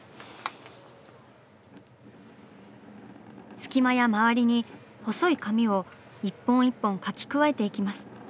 隙間や周りに細い髪を１本１本描き加えていきます。